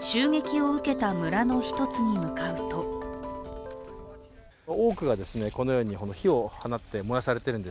襲撃を受けた村の一つに向かうと多くがこのように火を放って燃やされてるんです。